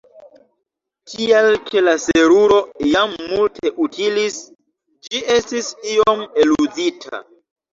Tial ke la seruro jam multe utilis, ĝi estis iom eluzita.